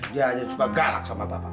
dia hanya suka galak sama bapak